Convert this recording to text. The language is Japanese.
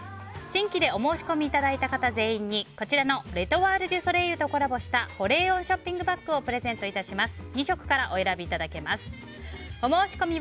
新規でお申し込みいただいた方全員にこちらのレ・トワール・デュ・ソレイユとコラボした保冷温ショッピングバッグをプレゼント致します。